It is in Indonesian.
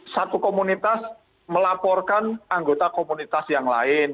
satu komunitas melaporkan anggota komunitas yang lain